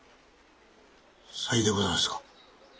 さいでございますか。